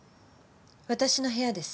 私の部屋です。